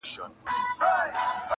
وفا سمندر ځانګړی ليکوال دئ-